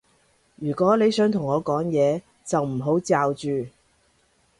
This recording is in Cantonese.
如果你想同我講嘢，就唔好嚼住